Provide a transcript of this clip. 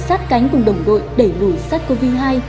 sát cánh cùng đồng đội đẩy bùi sát covid hai